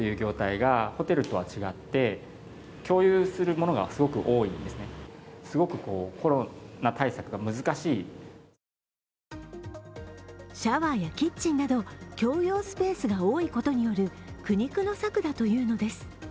そのわけはシャワーやキッチンなど、共用スペースが多いことによる苦肉の策だというのです。